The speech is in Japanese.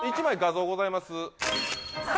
１枚画像ございます